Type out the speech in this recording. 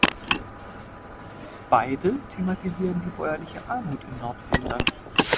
Beide thematisieren die bäuerliche Armut in Nordfinnland.